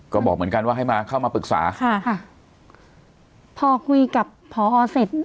ก็บอกเหมือนกันว่าให้มาเข้ามาปรึกษาค่ะค่ะพอคุยกับพอเสร็จ